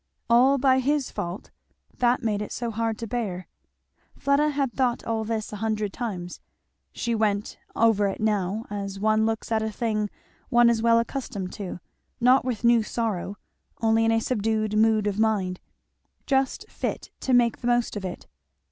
All by his fault that made it so hard to bear. Fleda had thought all this a hundred times; she went over it now as one looks at a thing one is well accustomed to; not with new sorrow, only in a subdued mood of mind just fit to make the most of it.